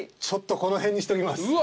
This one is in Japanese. ちょっとこの辺にしときます。